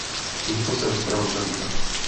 Tímto se rozprava uzavírá.